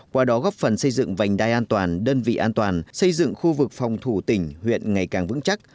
qua đó góp phần xây dựng vành đai an toàn đơn vị an toàn xây dựng khu vực phòng thủ tỉnh huyện ngày càng vững chắc